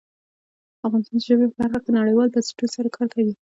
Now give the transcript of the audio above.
افغانستان د ژبې په برخه کې نړیوالو بنسټونو سره کار کوي.